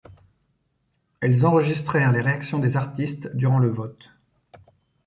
Elles enregistrèrent les réactions des artistes durant le vote.